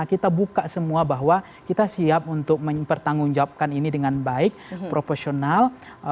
kita buka semua bahwa kita siap untuk mempertanggungjawabkan ini dengan baik proporsional